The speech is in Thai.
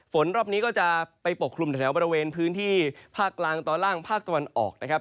รอบนี้ก็จะไปปกคลุมแถวบริเวณพื้นที่ภาคกลางตอนล่างภาคตะวันออกนะครับ